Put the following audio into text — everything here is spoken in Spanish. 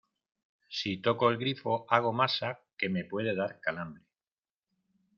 si toco el grifo, hago masa , que me puede dar calambre